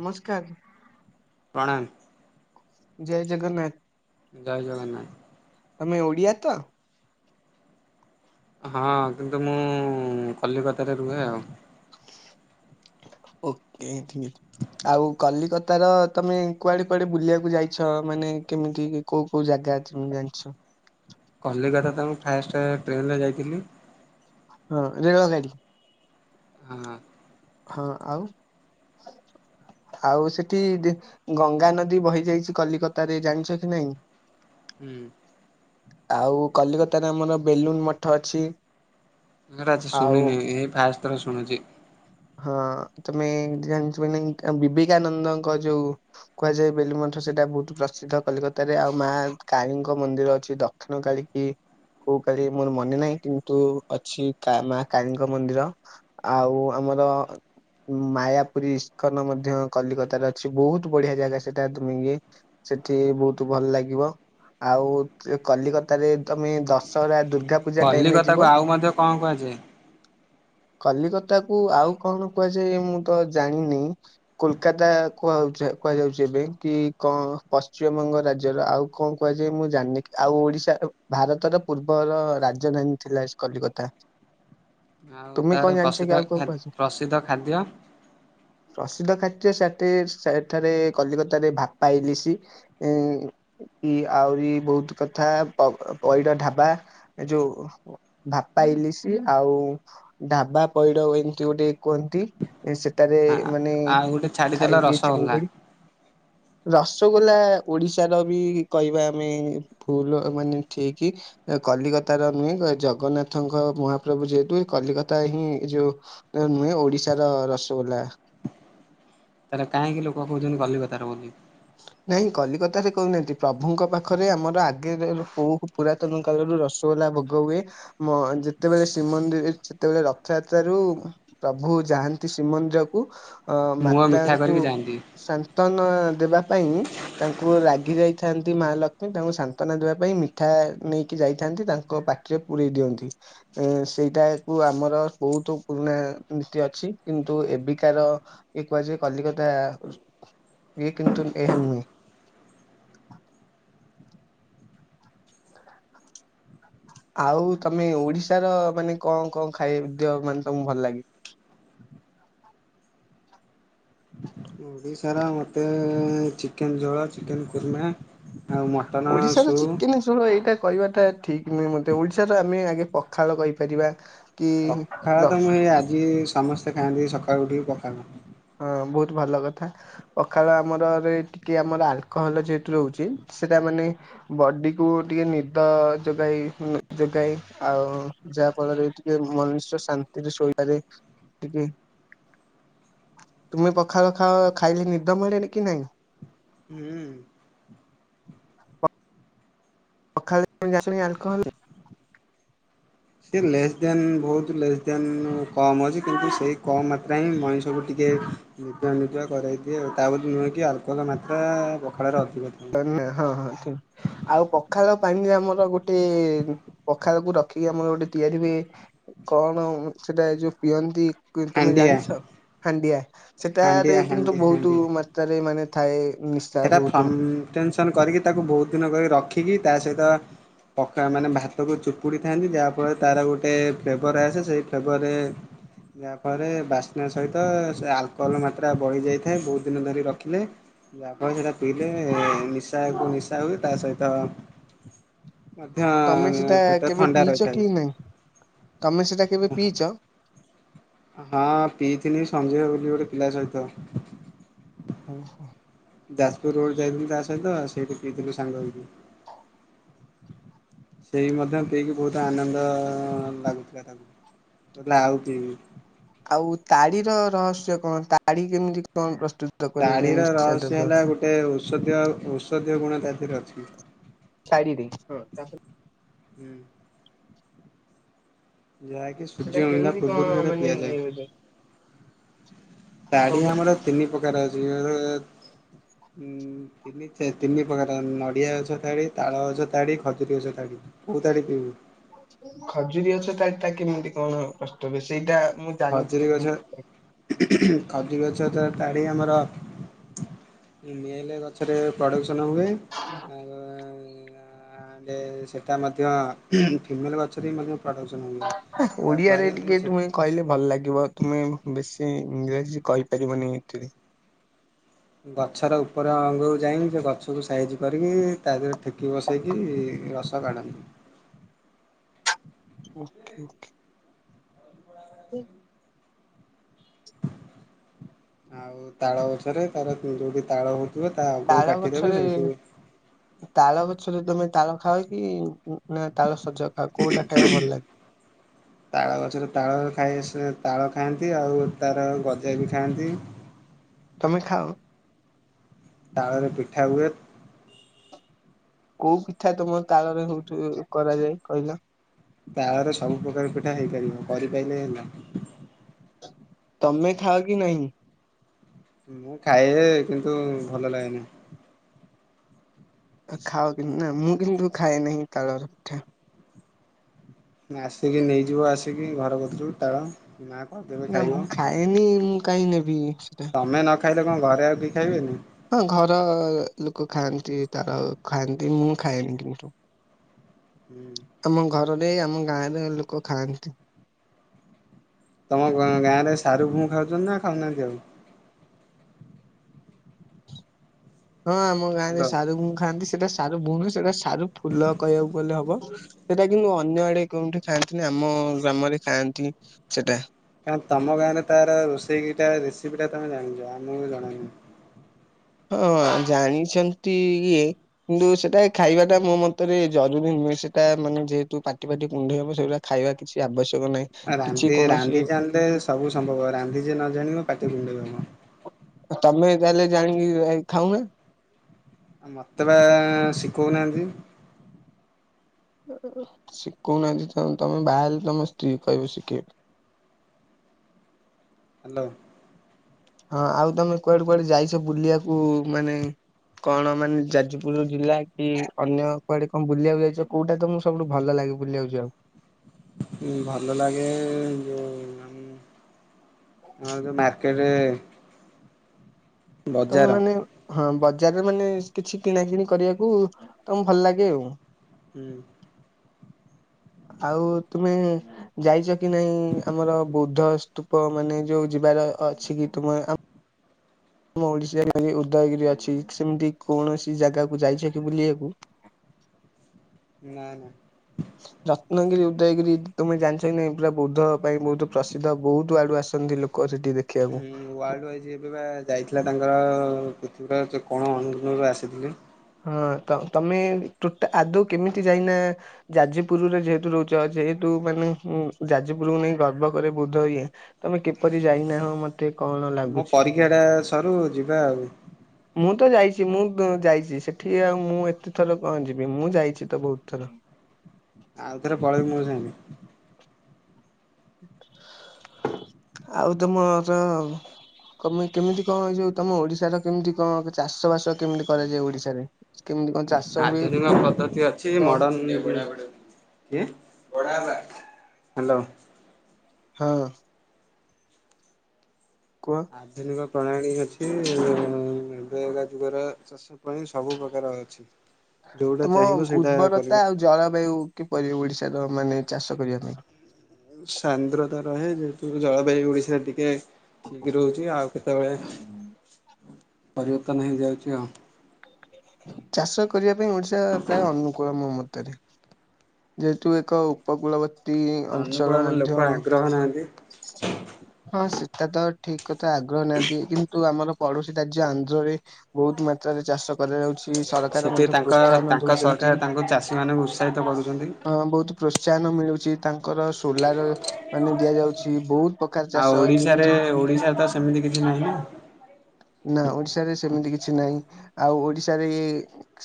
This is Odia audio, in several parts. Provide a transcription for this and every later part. ନମସ୍କାର। ପ୍ରଣାମ। ଜୟ ଜଗନ୍ନାଥ। ଜୟ ଜଗନ୍ନାଥ। ତମେ ଓଡ଼ିଆ ତ? ହଁ କିନ୍ତୁ ମୁଁ କଲିକତାରେ ରୁହେ ଆଉ। ଓକେ ଠିକ ଅଛି। ଆଉ କଲିକତାର ତମେ କୁଆଡେ଼ କୁଆଡେ଼ ବୁଲିବାକୁ ଯାଇଛ ମାନେ କେମିତି କୋଉ କୋଉ ଜାଗା ଜାଗା ଅଛି ମୁଁ ଜାଣିଛ? କଲିକତା ତ ମୁଁ ଫାଷ୍ଟ ଟ୍ରେନରେ ଯାଇଥିଲି ହଁ ରେଳ ଗାଡି। ହଁ। ହଁ ଆଉ? ଆଉ ସେଠି ଦି ଗଙ୍ଗା ନଦୀ ବହି ଯାଇଛି କଲିକତାରେ ଜାଣିଛ କି ନାଇଁ? ହୁଁ। ଆଉ କଲିକତାରେ ଆମର ବେଲୁନ ମଠ ଅଛି। ନ ରାଜି ଆଉ ଶୁଣିନି ଏଇ ଫାଷ୍ଟ ଥର ଶୁଣୁଛି। ହଁ ତମେ ଜାଣିଥିବ କି ନାହିଁ ଅମ ବିବେକାନନ୍ଦଙ୍କ ଯୋଉ କୁହାଯାଏ ବେଲୁନ୍ ମ ମଠ ସେଇଟା ବହୁତ ପ୍ରସିଦ୍ଧ କଲିକତାରେ ଆଉ ମା କାଳୀଙ୍କ ମନ୍ଦିର ଅଛି ଦକ୍ଷିଣ କାଳୀ ବି କୋଉ କାଳୀ ମୋର ମନେ ନାହିଁ କିନ୍ତୁ ଅଛି କା ମା କାଳୀଙ୍କ ମନ୍ଦିର ଆଉ ଆମର ମାୟାପୁରୀ ଇସକନ ମଧ୍ୟ କଲିକତାରେ ଅଛି ବହୁତ ବଢ଼ିଆ ଜାଗା ସେଇଟା ତୁମେ ସେଠି ବହୁତ ଭଲ ଲାଗିବ ଆଉ ଏ କଲିକତାରେ ତମେ ଦଶହରା ଦୁ କଲିକତାକୁ ଆଉ ମଧ୍ୟ କଣ କୁହାଯାଏ? କଲିକ ତାକୁ ଆଉ କଣ କୁହାଯାଏ ମୁଁ ତ ଜାଣିନି କୋଲକାତା କୁହାଯାଉଛି କୁହାଯାଉଛି। କି କଣ ପଶ୍ଚିମବଙ୍ଗ ରାଜ୍ୟର ଆଉ କଣ କୁହାଯାଏ ମୁଁ ଜାଣିନି କି ଆଉ ଓଡିଶାର ଭା ଭାରତର ପୂର୍ବର ରାଜଧାନୀ ଥିଲା ଏସ୍ କଲିକତା। ଆଉ ତୁମେ କଣ ତାର ଜାଣିଛ କି ପ୍ରସିଦ୍ଧ ଆଉ କଣ ଖାଦ୍ କୁହାଯାଏ? ପ୍ରସିଦ୍ଧ ଖାଦ୍ୟ? ସେ ସେଠି ସେଠାରେ କଲିକତାରେ ଭାପାଇଲିସି କି ଆଉ କି ବହୁତ୍ କଥା ପ ପଇଡ ଢାବା ଏ ଯୋଉ ଭାପାଇଲିସି ଆଉ ଆଉ ଢାବା ପଇଡ ଏମିତି ଗୋଟେ କୁହନ୍ତି। ସେଠାରେ ମାନେ ଆଉ ଗୋଟେ ଛାଡିଦେଲ ଖାଇକି ରସଗୋଲା। ଚିଙ୍ଗୁଡ଼ି ରସଗୋଲା ଓଡିଶାର ବି କହିବା ଆମେ ଭୁଲ୍ ମାନେ ଠିକ୍ ଏ କଲିକତାର ନୁହେଁ ଜଗନ୍ନାଥଙ୍କ ମହାପ୍ରଭୁ ଯେହେତୁ ଏ କଲିକତା ହିଁ ଏ ଯୋଉ ତ ନୁହେଁ ଓଡିଶାର ରସଗୋଲା। ତାହାଲେ କାହିଁକି ଲୋକ କହୁଛନ୍ତି କଲିକତାର ବୋଲି? [unintelligible] ନାହିଁ କଲିକତାରେ କହୁନାହାନ୍ତି ପ୍ରଭୁଙ୍କ ପାଖରେ ଆମର ଆଗେ ଲୋ କୋଉ ପୁରାତନ କାଳରୁ ରସଗୋଲା ଭୋଗ ହୁଏ ମ ଯେତେବେଳେ ଶ୍ରୀମନ୍ଦିର ସେତେବେଳେ ରଥଯାତ୍ରରୁ ପ୍ରଭୁ ଯା ପାନ୍ତି ଶ୍ରୀମନ୍ଦିରକୁ ଅ ମୁହଁ ମିଠା ମାତାଙ୍କୁ କରିକି ଯାଆନ୍ତି। ସାନ୍ତ୍ବନା ଦେବା ପାଇଁ ତାଙ୍କୁ ରାଗି ଯାଇଥାନ୍ତି ମା ଲକ୍ଷ୍ମୀ ତାଙ୍କୁ ସାନ୍ତ୍ୱନା ଦେବା ପାଇଁ ମିଠା ନେଇକି ଯାଇଥା ନ୍ତି ତାଙ୍କ ପାଟିରେ ପୁରେଇ ଦିଅନ୍ତି ଏ ସେଇଟାକୁ ଆମର ବହୁତ୍ ପୁରୁଣା ଉ ଅଛି କିନ୍ତୁ ଏବେକାର ଇଏ କୁହାଯାଏ କଲିକତା ଇଏ କି ଏହା ନୁହେଁ। ଆଉ ତମେ ଓଡିଶାର ମାନେ କଣ କଣ ଖାଇବାକୁ ଦିଅ ମାନେ ତମକୁ ଭଲ ଲାଗେ? [unintelligible] ଓଡ଼ିଶାର ମୋତେ ଚିକେନ୍ ଝୋଳ ଚିକେନ୍ କୁର୍ମା। ଆଉ ମଟନ ଓଡିଶାର ସୁପ୍ ଚିକେନ୍ ଝୋଳ ଏଇଟା କହିବାଟା ଠିକ୍ ନୁହେଁ ମତେ ଓଡିଶାର ଆମେ ଆଗେ ପଖାଳ କହିପାରିବା। କି ଖାଅ ରସ୍ ତମେ ଆଜି ସମସ୍ତେ ଖାଆନ୍ତି ସକାଳୁ ଉଠି ପଖାଳ। ହଁ ବହୁତ ଭଲ କଥା ପଖାଳ ଆମର ରେ ଟିକେ ଆମର ଆଲକୋହଲ ଯେହେତୁ ରହୁଛି ସେଇଟା ମାନେ ଇଁ ବଡିକୁ ଟିକେ ନିଦ ଯୋଗାଇ ଉ ଯୋଗାଏ ଆଉ ଯାହା ଫଳରେ ଟିକେ ମନୁଷ୍ୟ ଶାନ୍ତିରେ ଶୋଇପାରେ ଟିକେ ତୁମେ ପଖାଳ ଖାଅ ଖାଇଲେ ନିଦ ମାଡେନି କି ନାଇଁ? ହୁଁ। ପଖାଳ ରେ [unintelligible] ଆସୁନି ଆଲକୋହଲ୍? ସେ ଲେସ୍ ଦ୍ୟାନ ବହୁତ ଲେସ୍ ଦ୍ୟାନ କମ୍ ଅଛି କିନ୍ତୁ ସେଇ କମ୍ ମାତ୍ରା ହିଁ ମଣିଷକୁ ଟିକେ ଏ ନିଦୁଆ ନିଦୁଆ କରାଇ ଦିଏ ତା ବୋଲି ନୁହେଁ କି ଆଲକୋହଲ୍ ମାତ୍ରା ପଖାଳରେ ଅ [unintelligible] ହଁ ହଁ ଠିକ୍। ଆଉ ପଖାଳ ପାଣିରେ ଆମର ଗୋଟେ ପଖାଳକୁ ରଖି ଆମର ଗୋଟେ ତିଆରି ହୁଏ କଣ ସେଟା ଏ ଯୋଉ ପିଅନ୍ତି? କୁ ତୁମେ ହାଣ୍ଡିଆ ଜାଣିଛ ହାଣ୍ଡିଆ, ହାଣ୍ଡିଆ ସେଟାରେ ହାଣ୍ଡି କିନ୍ତୁ ବହୁତ ହାଣ୍ଡିଆ। ମାତ୍ରାରେ ମାନେ ଥାଏ ନିଶା ବହୁତ ଟେନସନ୍ କରିକି ତାକୁ ବହୁତ ଦିନ କରି ରଖିକି ତା ସହିତ ପକା ମାନେ ଭାତକୁ ଚୁପୁଡ଼ିଥାନ୍ତି ଯାହାଫଳରେ ତାର ଗୋଟେ ଫ୍ଲେବର ଆସେ ସେଇ ଫ୍ଲେବରରେ ଯାହା ଫଳରେ ବାସ୍ନା ସହିତ ସେ ଆଲକୋହଲ୍ ମାତ୍ରା ବଢି ଯାଇଥାଏ ବହୁତ ଦିନ ଧରି ରଖିଲେ [unintelligible] ସେଟା ପିଇଲେ ନିଶା କୁ ନିଶା ହୁଏ ତା ସହିତ ମଧ୍ୟ ତମେ ସେଟା ପେଟ କେବେ ଥଣ୍ଡା ପିଇଛ ରହିଥାଏ। କି ନାଇଁ? ତମେ ସେଟା କେବେ ପିଇଚ? ହଁ ପିଇଥିଲି ସଞ୍ଜୟ ବୋଲି ଗୋଟେ ପିଲା ସହିତ। ଓହୋ। ଯାଜପୁର ରୋଡ ଯାଇଥିଲି ତା ସହିତ ସେଇଠି ପିଇଥିଲୁ ସାଙ୍ଗହେଇକି। ସେଇ ମଧ୍ୟ ପିଇକି ବହୁତ ଆନନ୍ଦ ଲାଗୁଥିଲା ତାଙ୍କୁ। କଉଥିଲା ଆଉ ପିଇବି। ଆଉ ତାଡିର ରହସ୍ୟ କଣ ତାଡି କେମିତି କଣ ପ୍ର ତାଢ଼ିର ରହସ୍ୟ ହେଲା ଗୋଟିଏ ଔଷଧୀୟ ଔଷଧୀୟ ଗୁଣ ତାତିରେ ଅଛି। ତାଡ଼ି ରେ ହଁ ତାପରେ ହୁଁ। ଯାହାକି ସେଟା ସୂର୍ଯ୍ୟ ଉଇଁଲା କେମିତି କଣ ପୂର୍ବରୁ ସେଇଟା ମାନେ ପିଆଯାଏ। ଇଏ ହୁଏ ତାଡି କଣ ଆମର ତିନି ପ୍ରକାର ଅଛି ଉ ଉ ଉଁ ତିନି ଚେ ତିନି ପ୍ରକାର ନଡିଆ ଗଛ ଥାଡି ତାଳ ଗଛ ଥାଡି ଖଜୁରୀ ଗଛ ଥାଡି। କୋଉ ତାଡ଼ି ପିଇବୁ? ଖଜୁରୀ ଗଛ ତାଡି ଟା କେମିତି କଣ କଷ୍ଟ ବେଶି ସେଇଟା ମୁଁ ଜାଣିଛି ଖଜୁରୀ ଗଛ ଟିକେ। ଖଜୁରୀ ଗଛ ଟା଼ ତାଡି ଆମର ମେଲ ଗଛରେ ପ୍ରଡ଼କ୍ସ ନାଙ୍ଗ ହୁଏ [unintelligible] ସେଟା ମଧ୍ୟ ଫିମେଲ ଗଛରେ ମଧ୍ୟ ପ୍ରଡ଼କ୍ସନ୍ ହୁଏ। ଓଡିଆରେ ଯାହାଫଳରେ ଟିକେ ସେ ତୁମେ କହିଲେ ଭଲ ଲାଗି ତୁମେ ବେଶୀ ଇଂରାଜୀ କହିପାରିବନି ଏଥିରେ। ଗଛର ଉପର ଅଙ୍ଗକୁ ଯାଇକି ସେ ଗଛକୁ ସାଇଜ୍ କରିକି ତା ଦେହରେ ଠେକ କିି ବସେଇକି ରସ କାଢନ୍ତି। Okay okay. ଆଉ ତାଳ ଗଛରେ ତାର ଯୋଉଠି ତାଳ ହଉ ତାଳ ଗଛରେ ତାଳ ଗଛରେ ତମେ ତାଳ ଖାଅ କି? ନା ତାଳ ସଜ ଖାଅ ହୁଁ କୋଉଟା ଖାଇବାକୁ ହହୁଁ ଭଲ ଲାଗେ? ତାଳ ଗଛରେ ତାଳ ଖାଇ ଆସ ତାଳ ଖାଆନ୍ତି ଆଉ ତାର ଗଜା ବି ଖାଆନ୍ତି। ତମେ ଖାଅ? ତାଳରେ ପିଠା ହୁଏ। କୋଉ ପିଠା ତମ ତାଳରେ ହଉଠୁ କରାଯାଏ କହିଲ? ତାଳର ସବୁ ପ୍ରକାର ପିଠା ହେଇପାରିବ କରିପାରିଲେ ହେଲା। ତମେ ଖାଉ କି ନାହିଁ। ମୁଁ ଖାଏ ଯେ କିନ୍ତୁ ଭଲ ଲାଗେନି। ଖାଅ କିନ୍ତୁ ନାଁ ମୁଁ କିନ୍ତୁ ଖାଏ ନାହିଁ ତଳ ର ପିଠା। ଆସିକି ନେଇଯିବ ଆସିକି ଘର କତରୁ ତାଳ। ମା କରିଦେବେ ନାଁ ଖାଇବ। ମୁଁ ଖାଏନି ମୁଁ କାହିଁ ନେବି। ସେଟା। ତମେ ନ ଖାଇଲେ କଣ ଘରେ ଆଉ କେହି ଖାଇବେନି। ହଁ ଘର ଲୋକ ଖାଆନ୍ତି ତାର ଖାଆନ୍ତି ମୁଁ ଖାଏନି କିନ୍ତୁ। ହୁଁ। [inaudible] ଆମ ଗାଁରେ ଲୋକ ଖାଆନ୍ତି। ତମ ଗାଁ ରେ ସାରୁ ଭୁ ଖାଉଛନ୍ତି ନାଁ ଖାଉନାହାନ୍ତି ଆଉ। ହଁ ଆମ ଗାଁ ରେ ହ୍ୟାଲୋ ସାରୁୁ ଗୁ ଖାଆନ୍ତି। ସେଇଟା ସାର ଭୁଣ ସେଟା ସାର ଫୁଲ କହିବାକୁ ଗଲେ ହବ ସେଟା କିନ୍ତୁ ଅନ୍ୟ ଆଡେ କେଉଠି ଖାଇଥିଲି ଆମ ଆମ ଗ୍ରାମରେ ଖାଆନ୍ତି ସେଟା। କଁ ତମ ଗାଁ ରେ ତାର ରୋଷେଇଟା ରେସିପି ଟା ତମେ ଜାଣିଛ ଆମର ଜଣାନାହିଁ। ହଁ ଜାଣିଛନ୍ତି ଇଏ କିନ୍ତୁ ସେଟା ଖାଇବା ଟା ମୋ ମତରେ ଜରୁରୀ ସେଟା ମାନେ ଯେହେତୁ ପାଟି ପାାଟି କୁଣ୍ଡେଇ ହବ ସେଗୁରା ଖାଇବା କିଛି ଆବଶ୍ୟକ ନାହିଁ। କିଛି ରାନ୍ଧି କୌଣସି ରାନ୍ଧି ଜାଣିଲେ ସବୁ ସମ୍ଭବ ରାନ୍ଧି ଯିଏ ନ ଜାଣିବ ପାଟି କୁଣ୍ଡେଇ ହବ। ଉ ତମେ ତାହେଲେ ଜାଣିକି ଖାଉନ? ମତେ ବା ଶିଖଉନାହାନ୍ତି। ଶିଖଉନାହାନ୍ତି ତ ତମେ ବାହା ହେଲେ ତମ ସ୍ତ୍ରୀ କ ଶିଖେଇବେ - [inaudible] ହ୍ୟାଲୋ ହଁ ଆଉ ତମେ କୁଆଡେ କୁଆଡେ ଯାଇଛ ବୁଲିବାକୁ ମାନେ କଣ ମାନେ ଯାଜପୁର ଜିଲ୍ଲା କି ଅନ୍ୟ କୁଆଡେ କଣ ବୁଲିବାକୁ ଯାଇଛ କୋଉଟା ତଁ ସବୁଠୁ ଭଲ ଲାଗେ? ବୁଲିବାକୁ ଯାଉ। ହଁ ଭଲ ଲାଗେ ଯଉ [inaudible] କେରେ ତମେ ମାନେ ହଁ ଵ ବଜାର ମାନେ କିଛି କିଣା କିିଣି କରିବାକୁ ତମ ଭଲ ଲାଗେ ଆଉ ହୁଁ। [inaudible] ଆଉ ତୁମେ ଯାଇଛ କି ନାଇଁ ଆମର ବୌଦ୍ଧ ସ୍ତୂପ ମାନେ ଯୋଉ ଯିବା ଅଛି କି ତୁମ ଆମ ଓଡ଼ିଶା କେ ଉଦୟଗିରି ଅଛି ସେମିତି କୌଣସି ଜାଗାକୁ ଯାଇଛ କି ବୁଲିବାକୁ। ନା ନା। [inaudible] ରତ୍ନଗିରି ଉଦୟଗିରି ତୁମେ ଜାଣିଛ ନାଇଁ ପୁରା ବୋଦ୍ଧ ପାଇଁ ବହୁତ ପ୍ରସିଦ୍ଧ ବହୁତ ଆଡୁ ଆସନ୍ତି ଲୋକ ସେଠି ଦେଖିବାକୁ। ହଁ ୱାର୍ଲଡ ୱାଇଜ ଏବେ ବା ଯାଇଥିଲା ତାଙ୍କର ା କଣ ଅନୁରୁ ଆସିଥିଲେ। ହଁ ତ ତମେ ଟଟା ଆଦୌ କେମିତି ଯାଇନା ଯାଜପୁରରେ ଯେହେତୁ ରହୁଛ ଯେହେତୁ ମାନେ ଯାଜପୁରକୁ ନେଇ ଗର୍ବ କରେ ବୋଧ ହୁଏ ତମେ କିପରି ଯାଇନାହ ମତେ କଣ ମୋ ଲାଗୁଛି? ପରୀକ୍ଷା ଟା ସରୁ ଯିବା ଆଉ। ମୁଁ ତ ଯାଇଛି ମୁଁ ଯାଇଛି। ସେଠି ଆଉ ମୁଁ ଏତେ ଥର କଣ ଯିବି ମୁଁ ଯାଇଛି ତ ବହୁତ ଥର। ଆଉଥରେ ପଳେଇବି ମୋ ସାଙ୍ଗେ। ଆଉ ତମର ମ କେମିତି କଣ ଏଇ ଯୋଉ ତମ ଓଡିଶାର କେମିତି କଣ ଚାଷ ବାସ କେମିତି କରାଯାଏ ଓଡିଶାରେ? କେମିତି କଣ ଚାଷ ହୁଏ ଆଧୁନିକ ପଦ୍ଧତି ଅଛି କଣ ମଡଣ କି [unintelligible] ହ୍ୟାଲୋ। ହଁ। କୁହ? ଆଧୁନିକ ପ୍ରଣାଳୀ ଅଛି ଏବେଗଜୁଗର ଚାଷ ପାଇଁ ସବୁ ପ୍ରକାର ଅଛି। ଯୋଉଟା ତମ ଚାହିଁବ ସେଇଟା କରିବ। ଉର୍ବରତା ଆଉ ଜଳବାୟୁ କିପରି ଓଡିଶାର ମାନେ ଚାଷ କରିବା ପାଇଁ? ସାନ୍ଦ୍ରତା ରହେ ଯେହେତୁ ଜଳବାୟୁ ଓଡିଶା ଟିକେ ଠିକ ରହୁଛି ଆଉ କେତେବେଳେ ପରିବର୍ତ୍ତନ ହେଇଯାଉଛି ଆଉ। ଚାଷ କରିବା ପାଇଁ ଓଡିଶା ପ୍ରାୟ ଅନୁକୂଳ ମୋ ମତରେ। ଯେହେ ତୁ ଏକ ଉପ କୁଳବତି ଅଞ୍ଚଳ ଅନୁକୂଳରେ ମଧ୍ୟ ଲୋକ ହଁ ଆଗ୍ରହ ନାହାନ୍ତି। ସେ ଏଟ ତ ଠିକ କଥା ଆଗ୍ରହ ନାହାନ୍ତି କିନ୍ତୁ ଆମର ପଡୋଶୀ ରାଜ୍ୟ ଆନ୍ଧ୍ରରେ ବହୁତ ମାତ୍ରାରେ ଚାଷ କରାଯାଉଛି ସରକାର ସେଠି ମଧ୍ୟ ତାଙ୍କ ପ୍ରୋତ୍ସାହନ ତାଙ୍କ ସରକାର ଦଉଛନ୍ତି। ତାଙ୍କୁ ଚାଷୀ ମାନଙ୍କୁ ଉତ୍ସାହିତ କରୁଛନ୍ତି। ଅ ବହୁତ ପ୍ରୋତ୍ସାହନ ମିଳୁଛି ତାଙ୍କର ସୋଲାର ମାନେ ଦିଆଯାଉଛି ବହୁତ ଉପକାର ଆଉ ଚାଷ ଓଡିଶାରେ ଯେମିତି ଓଡିଶାରେ ତ ସେମିତି କିଛି ନାହିଁ ନା। ନା ଓଡିଶାରେ ସେମିତି କିଛି ନାହିଁ ଆଉ ଓଡିଶାରେ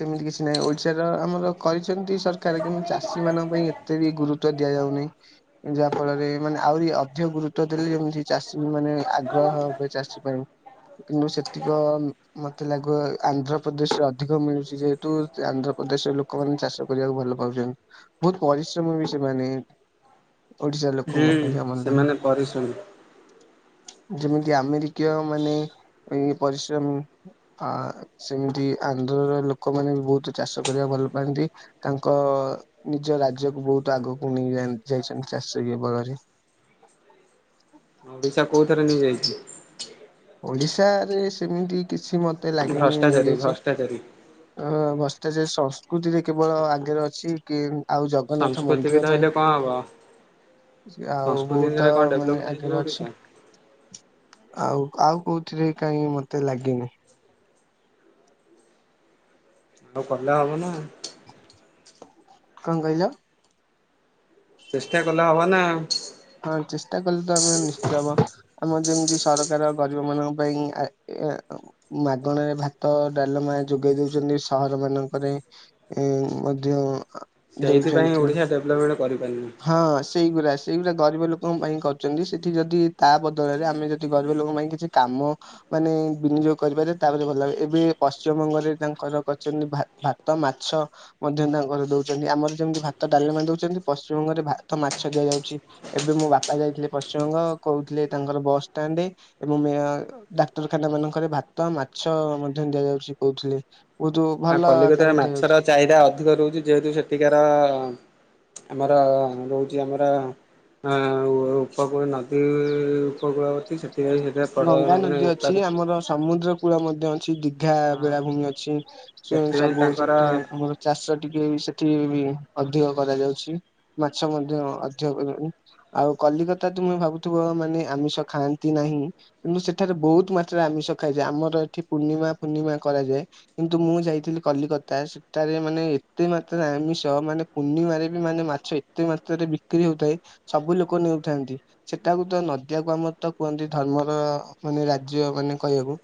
ସେମିତି କିଛି ନାହିଁ ଓଡିଶାର ଆମର କଚ କେମତି ସରକାର କେମିତି ଚାଷୀ ମାନଙ୍କ ପାଇଁ ଏତେ ବି ଗୁରୁତ୍ୱ ଦିଆଯାଉନାହିଁ ଯାହା ଫଳରେ ମାନେ ଆହୁରି ଅଧିକ ଗୁରୁତ୍ୱ ଦେଲେ ଯେମିତି ଚାଷୀ ମାନେ ଆଗ୍ରହ ହଏ ଚାଷୀ ପାଇଁ କିନ୍ତୁ ସେତିକ ମତେ ଲାଗୁ ଆନ୍ଧ୍ରପ୍ରଦେଶରେ ଅଧିକ ମିଳୁଛି ଯେହେତୁ ଆନ୍ଧ୍ର ପ୍ରଦେଶରେ ଲୋକମାନେ ଚାଷ କରିବାକୁ ଭଲ ପାଉଛନ୍ତି ବହୁତ ପରିଶ୍ରମ ବି ସେମାନେ ଓଡିଶାର ହୁଁ ଲୋକଙ୍କ ପାଇଁ କମ ନାହିଁ। ସେମାନେ ପରିଶ୍ରମୀ ଯେମିତି ଆମେରିକୀୟ ମାନେ ଏଇ ପରିଶ୍ରମୀ ଆ ସେମିତି ଆନ୍ଧ୍ରର ଲୋକମାନେ ବି ବହୁତ ଚାଷ କରିବା ଭଲ ପାନ୍ତି ତାଙ୍କ ନିଜ ରାଜ୍ୟକୁ ବହୁତ ଆଗକୁ ନେଇ ଯାଇଛନ୍ତି ଚାଷୀ ବଳରେ। ଓଡିଶା କୋଉ ଥରେ ନେଇଯାଇଛି। ଓଡିଶାରେ ସେମିତି କିଛି ମ ମତେ ଲାଗନି ଭ୍ରଷ୍ଟାଚାରୀ ନେଇଯାଇଛି ଭ୍ରଷ୍ଟାଚାରୀ [unintelligible] ସେଟା ଯେ ସଂସ୍କୃତିଯେ କେବଳ ଆଗରେ ଅଛି କି ଆଉ ଜଗନ୍ନାଥ ସଂସ୍କୃତି କି ମନ୍ଦିର ଧଇଲେ କଣ ହବ ପାଇଁ ଆଉ ସଂସ୍କୃତି ବହୁତ ଇରେ କଣ ମାନେ ଡେଭଲପମେଣ୍ଟ ହେଇଯିବ ଆଗରେ ଓଡ଼ିଶା ଅଛି। ଆଉ ଆଉ କୋଉଥିରେ କାହିଁ ମତେ ଲାଗିନି ଆଉ କଲେ ହବ ନା। କଣ କହିଲ? ଚେଷ୍ଟା କଲେ ହବ ନା ଆଉ। ହଁ ଚେଷ୍ଟା କଲେ ତ ଆମେ ନିଶ୍ଚିତ ହବା। ଆମର ଯେମିତି ସରକାର ଗରିବ ମାନଙ୍କ ପାଇଁ ମାଗଣାରେ ଭାତ ଡାଲମ। ଯୋଗେଇ ଦଉଛନ୍ତି ସହର ମାନଙ୍କରେ ଏଁ ମଧ୍ୟ। ସେଇଥି ପାଇଁ ଦଉଛନ୍ତି ଓଡିଶା ଡେଭଲମେଣ୍ଟ୍ ହଁ ସେଇଗୁରା। ସେଇଗୁରା ଗରିବ ଲୋକଙ୍କ ପାଇଁ କରରିଛନ୍ତି ସେଠି ଯଦି ତା ବଦଳରେ ଆମେ ଯଦି ଗରିବ ଲୋକଙ୍କ ପାଇଁ କିଛି କାମ- ମାନେ ବିନିଯୋଗ କରିପାରେ ତାପରେ ଭଲ ଲାଗେ ଏବେ ପଶ୍ଚିମବଙ୍ଗରେ ତାଙ୍କର କହିଛନ୍ତି ଭାତ ମାଛ। ଗଛ ମଧ୍ୟ ତାଙ୍କର ଦଉଛନ୍ତି ଆମର ଯେମିତି ଭାତ ଡାଲମା ଦଉଛନ୍ତି। ପଶ୍ଚିମବଙ୍ଗରେ ଭାତ ମାଛ ଦିଆଯାଉଛି ଏବେ ମୋ ବାପା ଯାଇଥିଲେ ପଶ୍ଚିମବଙ୍ଗ କହୁଥିଲେ ତାଙ୍କର ବାସଟା। ଏବଂ ଡାକ୍ତରଖାନା ମାନଙ୍କରେ ଭାତ ମାଛ ମଧ୍ୟ ଦିଆଯାଉଛି କହୁଥିଲେ। ବହୁତ ଭଲ ଆଉ କଲିକତାରେ ଆକାରରେ ମାଛର ଦିଆଯାଉଛି। ଚାହିଦା ଅଧିକ ଦେଉଛି ଯେହେତୁ ସେଠିକାର- ଆମର ରହୁଛି ଆମର ଅ ଉପକୂଳ ନଦୀ। ଦୀ ଉପକୂଳବର୍ତୀ ସେଠ। ଗଙ୍ଗା ନଦୀ ଅଛି ଆମର ସମୁଦ୍ର କୂଳ ମଧ୍ୟ ଅଛି ଦିଘା ହଁ ବେଳାଭୂମି ଅଛି। ସେ ସେଥିପାଇଁ ସବୁ ତାଙ୍କର ସେଠି ଆମର ଚାଷ ଟିକେ ସେଠି ଅଧିକ କରାଯାଉଛି। ମାଛ ମଧ୍ୟ ଅଧିକ। ଆଉ କଲିକତା ତୁମେ ଭାବୁଥିବ ମାନେ ଆମିଷ ଖାଆନ୍ତି ନାହିଁ? କିନ୍ତୁ ସେଠାରେ ବହୁତୁ ମାତ୍ରାରେ ଆମିଷ ଖାଯାଏ ଆମର ଏଠି ପୂର୍ଣିମା ପୂର୍ଣ୍ଣିମା କରାଯାଏ କିନ୍ତୁ ମୁଁ ଯାଇ- ଯାଇଥିଲି କଲିକତା ସେଠାରେ ମାନେ ଏତେ ମାତ୍ର ଆମିଷ ମାନେ ପୂର୍ଣ୍ଣିମାରେ ବି ମାନେ ମାଛ ଏତେ- ବିକ୍ରି ହଉଥାଏ ସବୁ ଲୋକ ନେଉଥାନ୍ତି ସେଟାକୁ ତ ନଦିଆକୁ ଆମର ତ କୁହନ୍ତି। ଧର୍ମର ମାନେ ରାଜ୍ୟ ମାନେ କହିବ।